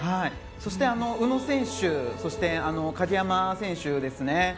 そして、宇野選手そして鍵山選手ですね。